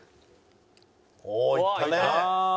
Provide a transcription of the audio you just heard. おっいったね。